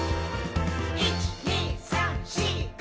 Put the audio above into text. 「１．２．３．４．５．」